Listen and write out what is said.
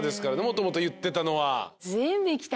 もともと言ってたのは。